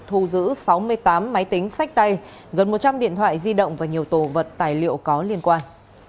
thu giữ sáu mươi tám máy tính sách tay gần một trăm linh điện thoại di động và nhiều tổ vật tài liệu có liên quan